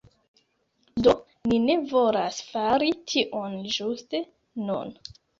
Do, ni ne volas fari tion ĝuste nun